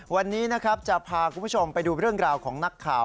วันนี้นะครับจะพาคุณผู้ชมไปดูเรื่องราวของนักข่าว